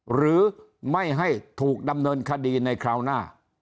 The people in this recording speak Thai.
หรือไม่ให้ถูกดำเนินคดีในคราวหน้า